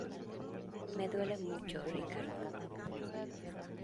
me duele mucho. Ricardo .